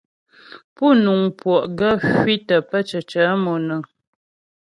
Pú nuŋ puɔ' gaə́ hwitə pə́ cǐcə monəŋ.